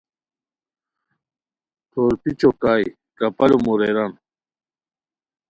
ٹھور پیچو کائے کپالو موریران